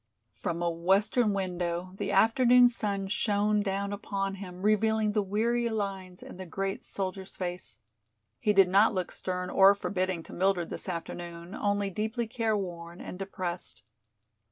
From a western window the afternoon sun shone down upon him, revealing the weary lines in the great soldier's face. He did not look stern or forbidding to Mildred this afternoon, only deeply careworn and depressed.